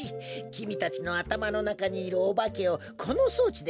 きみたちのあたまのなかにいるおばけをこのそうちできゅいっとすいとるのだ。